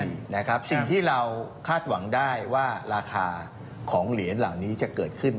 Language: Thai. สิ่งที่เราคาดหวังได้ว่าราคาของเหรียญเหล่านี้จะเกิดขึ้น